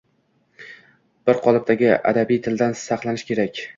Bir qolipdagi adabiy tildan saqlanish kerak.